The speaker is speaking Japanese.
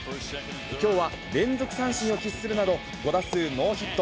きょうは連続三振を喫するなど、５打数ノーヒット。